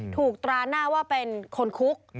ตราหน้าว่าเป็นคนคุก